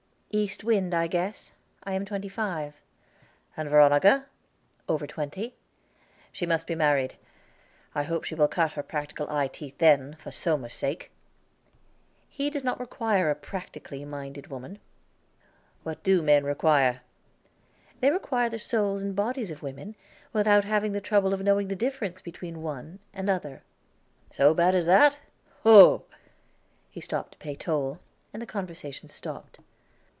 "East wind, I guess. I am twenty five." "And Veronica?" "Over twenty." "She must be married. I hope she will cut her practical eye teeth then, for Somers's sake." "He does not require a practically minded woman." "What do men require!" "They require the souls and bodies of women, without having the trouble of knowing the difference between the one and other." "So bad as that? Whoa!" He stopped to pay toll, and the conversation stopped.